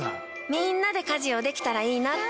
みんなで家事をできたらいいなって。